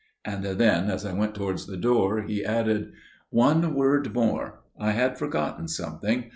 And then, as I went towards the door, he added: "One word more. I had forgotten something.